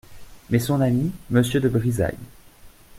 Mais son ami, Monsieur de Brizailles.